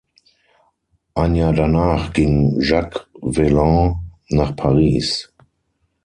Ein Jahr danach ging Jacques Vaillant nach Paris.